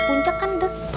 puncak kan deket